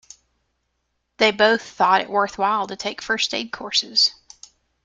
They both thought it worthwhile to take first aid courses.